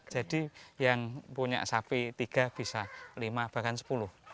jadi yang punya sapi tiga bisa lima bahkan sepuluh